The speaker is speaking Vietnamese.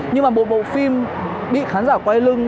nhưng mà một bộ phim bị khán giả quay lưng